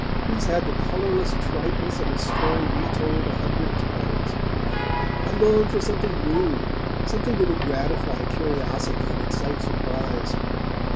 These had the colourless triteness of a story retold a hundred times. I longed for something new, something that would gratify curiosity and excite surprise.